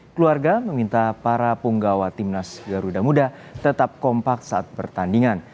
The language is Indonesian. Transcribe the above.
keluarga meminta para punggawa timnas garuda muda tetap kompak saat pertandingan